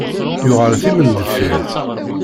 Yuɣal timendeffirt.